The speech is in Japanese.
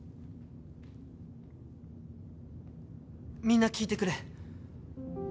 みんな聞いてくれ。